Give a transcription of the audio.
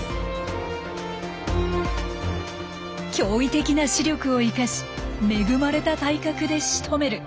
驚異的な視力を生かし恵まれた体格でしとめる。